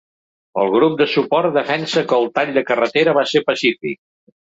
El grup de suport defensa que el tall de carretera va ser pacífic.